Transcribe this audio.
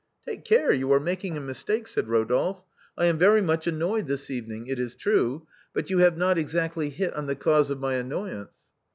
" Take care, you are making a mistake/' said Eodolphe, " I am very much annoyed this evening, it is true, but you have not exactly hit on the cause of my annoyance."